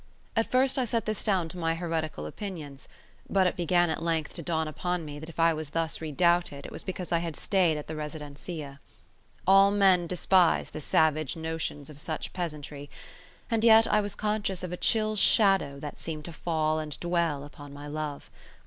At first I set this down to my heretical opinions; but it began at length to dawn upon me that if I was thus redoubted it was because I had stayed at the residencia. All men despise the savage notions of such peasantry; and yet I was conscious of a chill shadow that seemed to fall and dwell upon my love.